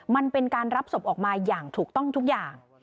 มันเป็นการรับศพออกมาอย่างถูกต้องทุกอย่าง